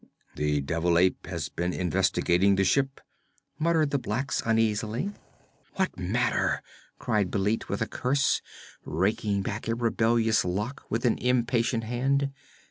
'The devil ape has been investigating the ship,' muttered the blacks uneasily. 'What matter?' cried Bêlit with a curse, raking back a rebellious lock with an impatient hand.